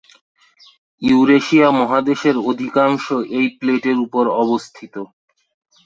Eurasia মহাদেশের অধিকাংশ এই প্লেটের উপর অবস্থিত।